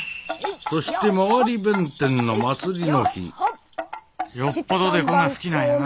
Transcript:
そして廻り弁天の祭りの日よっぽど木偶が好きなんやな。